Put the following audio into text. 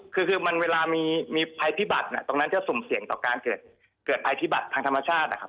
คือมันเวลามีภัยพิบัตรตรงนั้นจะสุ่มเสี่ยงต่อการเกิดภัยพิบัติทางธรรมชาตินะครับ